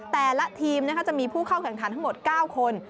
แต่ละทีมจะมีผู้เข้าแข่งขันทั้งหมด๙คน